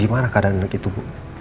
gimana keadaan anak itu bu